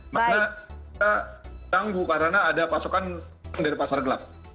maka kita tangguh karena ada pasokan dari pasar gelap